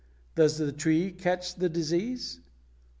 Does the tree catch the disease?